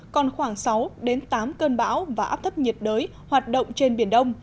còn khoảng sáu đến tám cơn bão và áp thấp nhiệt đới hoạt động trên biển đông